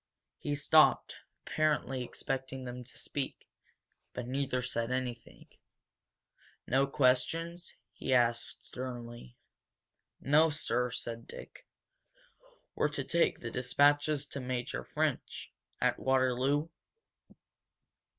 He stopped, apparently expecting them to speak. But neither said anything. "No questions?" he asked, sternly. "N$1 $2 sir," said Dick. "We're to take the dispatches to Major French, at Waterloo?